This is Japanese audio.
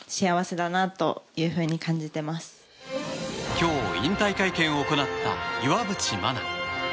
今日、引退会見を行った岩渕真奈。